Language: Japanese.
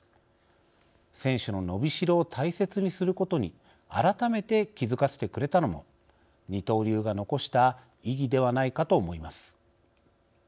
選手の伸びしろを大切にすることに改めて気づかせてくれたのも二刀流が残した意義ではないかと思います。